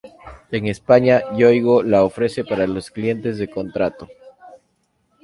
En España, Yoigo la ofrece para los clientes de contrato.